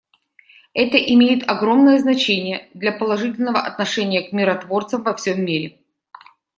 Это имеет огромное значение для положительного отношения к миротворцам во всем мире.